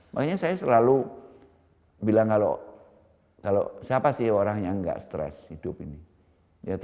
makanya saya selalu bilang kalau siapa sih orang yang nggak stres hidup ini